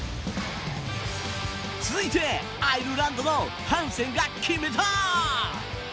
続いて、アイルランドのハンセンが決めた。